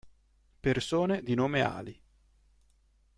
Persone di nome Ali